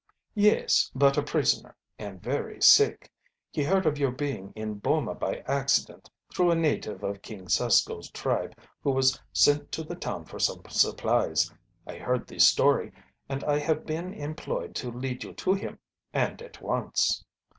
"Yes; but a prisoner, and very sick. He heard of your being in Boma by accident through a native of King Susko's tribe who was sent to the town for some supplies. I heard the story and I have been employed to lead you to him, and at once."